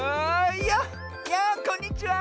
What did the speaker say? いやこんにちは！